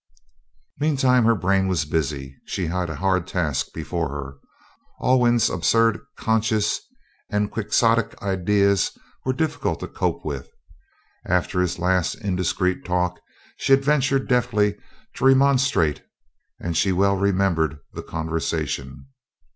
Meantime her brain was busy. She had a hard task before her. Alwyn's absurd conscience and Quixotic ideas were difficult to cope with. After his last indiscreet talk she had ventured deftly to remonstrate, and she well remembered the conversation.